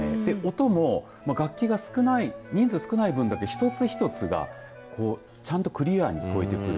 音も楽器が少ない人数が少ない分だけ一つ一つがこうクリアに聞こえてくる。